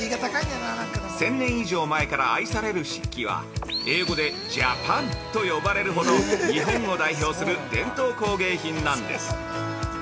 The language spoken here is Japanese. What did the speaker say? １０００年以上前から愛される漆器は、英語で「ｊａｐａｎ」と呼ばれるほど日本を代表する伝統工芸品なんです。